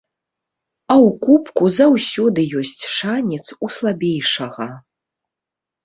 А ў кубку заўсёды ёсць шанец у слабейшага.